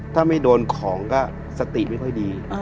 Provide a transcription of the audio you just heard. ถ้าไม่โดนของก็สติไม่ค่อยดี